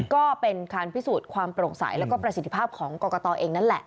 ก็เป็นการพิสูจน์ความโปร่งใสแล้วก็ประสิทธิภาพของกรกตเองนั่นแหละ